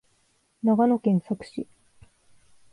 長野県佐久市